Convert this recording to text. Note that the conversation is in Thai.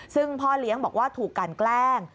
ซึ่งพ่อเลี้ยงบอกว่าถูกกันแกล้ง